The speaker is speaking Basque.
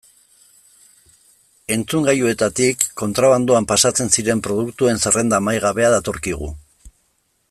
Entzungailuetatik kontrabandoan pasatzen ziren produktuen zerrenda amaigabea datorkigu.